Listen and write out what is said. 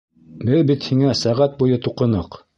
Беҙ бит һиңә сәғәт буйы туҡыныҡ!